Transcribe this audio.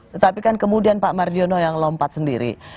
tetapi kan kemudian pak mardiono yang lompat sendiri